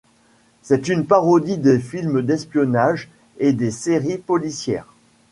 C'est une parodie des films d'espionnage et des séries policières.